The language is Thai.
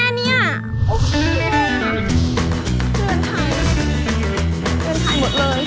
โอเคค่ะเรือนไทยเรือนไทยหมดเลย